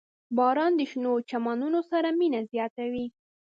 • باران د شنو چمنونو سره مینه زیاتوي.